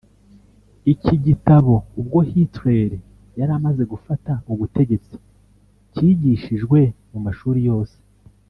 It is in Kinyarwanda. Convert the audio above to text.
Iki gitabo ubwo Hitler yaramaze gufata ubutegetsi kigishijwe mu mashuri yose